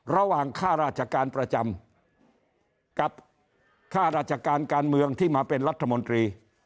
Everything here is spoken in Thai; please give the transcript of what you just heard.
ระหว่างค่าราชการประจำกับค่าราชการการเมืองที่มาเป็นรัฐมนตรี